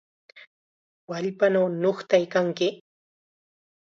¡Wallpanaw nuqtaykanki!